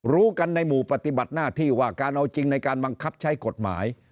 รู้กันในหมู่ปฏิบัติหน้าที่ว่าการเอาจริงในการบังคับใช้กฎหมาย